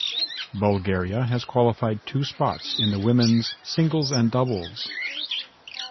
Bulgaria has qualified two spots in the women's singles and doubles.